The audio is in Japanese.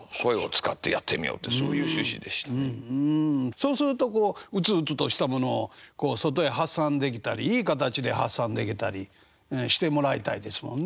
そうするとこう鬱々としたものをこう外へ発散できたりいい形で発散できたりしてもらいたいですもんね。